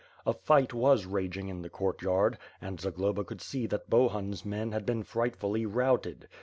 A fight was raging in the courtyard, and Zagloba could see that Bohun's men had been frightfully routed.